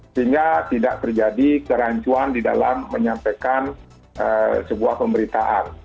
sehingga tidak terjadi kerancuan di dalam menyampaikan sebuah pemberitaan